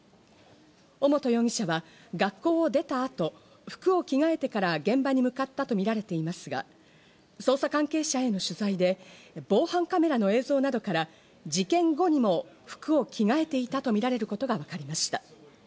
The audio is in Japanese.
尾本容疑者は学校出たあと、服を着替えてから現場に向かったとみられていますが、捜査関係者への取材で防犯カメラの映像などから事件後にも服を着替えていたとみられることがわかりました。